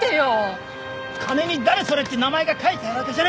金に誰それって名前が書いてあるわけじゃねえ。